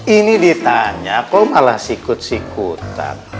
ini ditanya kok malah sikut sikutan